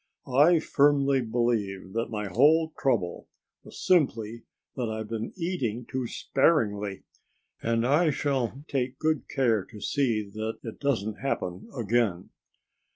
"I firmly believe that my whole trouble was simply that I've been eating too sparingly. And I shall take good care to see that it doesn't happen again."